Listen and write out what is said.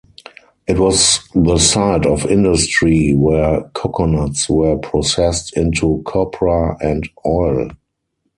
It was the site of industry where coconuts were processed into copra and oil.